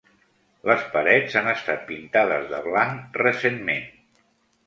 Les parets han estat pintades de blanc recentment.